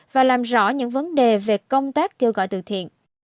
và làm rõ những vấn đề về công tác kêu gọi từ thiện